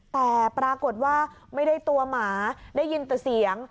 แต่ปรากฏว่าไม่ได้ตัวหมาได้ยินแต่เสียง